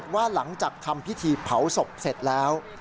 ว่าหลังจากทำพิธีเผาศพเสร็จแล้ว